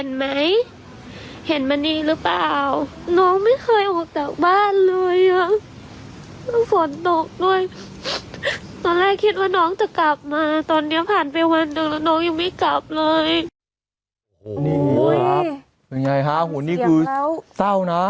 โอ้โหนี่ครับยังไงฮะหูนี่คือเศร้านะ